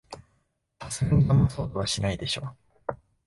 さすがにだまそうとはしないでしょ